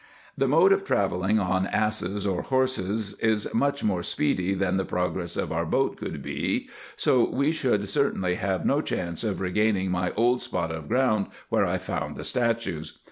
The mode of travelling on asses or horses is much more speedy than the progress of our boat could be, so that we should certainly have no chance of regaining my old spot of ground where I found the statues.